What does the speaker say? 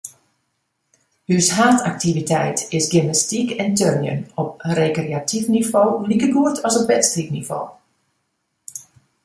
Us haadaktiviteit is gymnastyk en turnjen, op rekreatyf nivo likegoed as op wedstriidnivo.